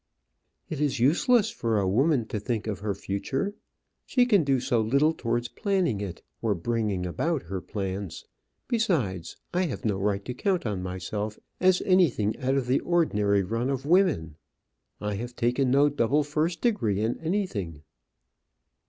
"It is useless for a woman to think of her future; she can do so little towards planning it, or bringing about her plans. Besides, I have no right to count on myself as anything out of the ordinary run of women; I have taken no double first degree in anything."